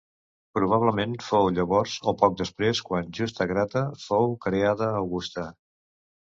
Probablement fou llavors o poc després quan Justa Grata fou creada augusta.